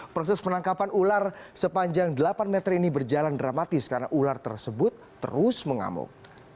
proses penangkapan ular sepanjang delapan meter ini berjalan dramatis karena ular tersebut terus mengamuk